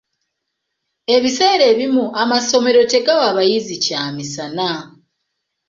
Ebiseera ebimu amasomero tegawa bayizi kyamisana.